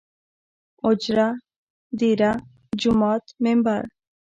اوجره ، ديره ،جومات ،ممبر